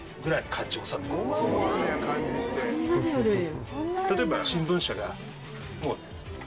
そんなにあるんや。